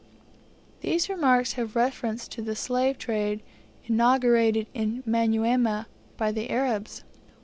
These remarks have reference to the slave trade inaugurated in Manyuema by the Arabs.